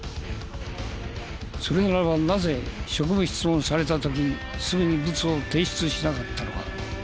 それならばなぜ職務質問された時すぐにブツを提出しなかったのか？